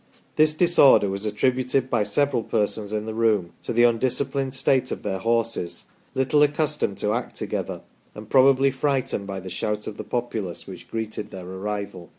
This disorder was attributed by several persons in the room to the undisciplined state of their horses, little accustomed to act together, and probably frightened by the shout of the populace which greeted their arrival."